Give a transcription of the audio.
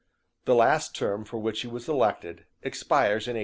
The last term for which he was elected expires in 1891.